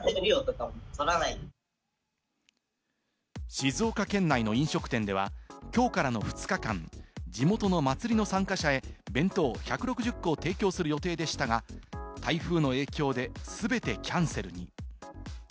静岡県内の飲食店では、きょうからの２日間、地元の祭りの参加者へ弁当１６０個を提供する予定でしたが、台風の影響で全てキャンセルに。